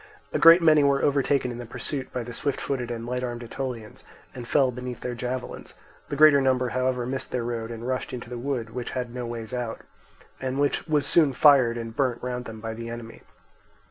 A great many were overtaken in the pursuit by the swift footed and light armed Aetolians, and fell beneath their javelins; the greater number however missed their road and rushed into the wood, which had no ways out, and which was soon fired and burnt round them by the enemy.